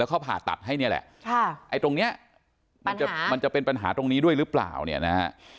เขาผ่าตัดให้เนี่ยแหละไอ้ตรงเนี้ยมันจะมันจะเป็นปัญหาตรงนี้ด้วยหรือเปล่าเนี่ยนะฮะ